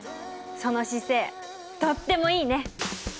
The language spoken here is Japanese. その姿勢とってもいいね！